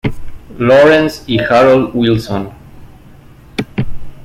Lawrence y Harold Wilson.